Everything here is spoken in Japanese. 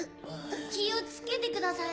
気を付けてください。